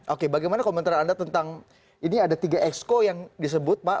oke bagaimana komentar anda tentang ini ada tiga exco yang disebut pak